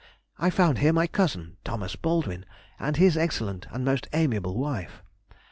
I found here my cousin, Thomas Baldwin, and his excellent and most amiable wife.